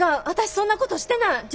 私そんなことしてない！